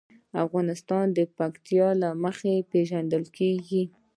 افغانستان د پکتیا له مخې پېژندل کېږي.